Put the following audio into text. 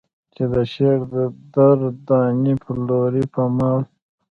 چې د شعر در دانې پلورې په مال.